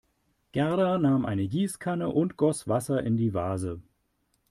Gerda nahm eine Gießkanne und goss Wasser in die Vase.